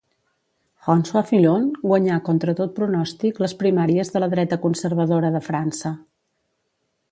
François Fillon guanyà contra tot pronòstic les primàries de la dreta conservadora de França.